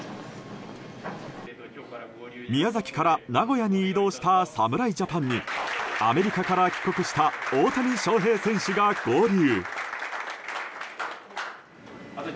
宮崎から名古屋に移動した侍ジャパンにアメリカから帰国した大谷翔平選手が合流。